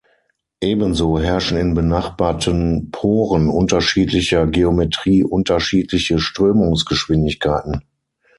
Ebenso herrschen in benachbarten Poren unterschiedlicher Geometrie unterschiedliche Strömungsgeschwindigkeiten.